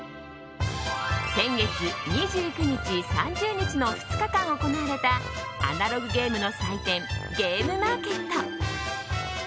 先月２９日、３０日の２日間行われたアナログゲームの祭典ゲームマーケット。